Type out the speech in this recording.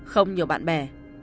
không nhiều bạn bè